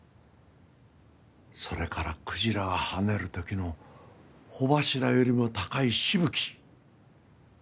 それからクジラが跳ねる時の帆柱よりも高いしぶき。